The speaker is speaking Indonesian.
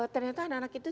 ternyata anak anak itu